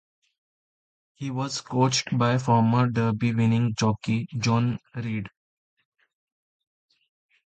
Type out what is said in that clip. He was coached by former Derby winning jockey John Reid.